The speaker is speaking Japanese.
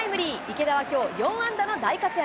池田はきょう、４安打の大活躍。